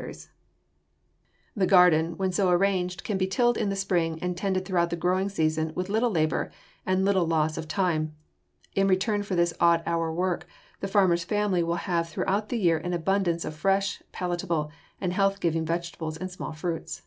[Illustration: FIG. 224. WHERE DELICIOUS GARDEN VEGETABLES GROW] The garden, when so arranged, can be tilled in the spring and tended throughout the growing season with little labor and little loss of time. In return for this odd hour work, the farmer's family will have throughout the year an abundance of fresh, palatable, and health giving vegetables and small fruits.